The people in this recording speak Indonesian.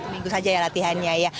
minggu saja ya latihannya